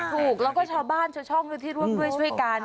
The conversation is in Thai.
ถูกเราก็ช่วงบ้านช่ออยู่ที่ร่วมด้วยช่วยกัน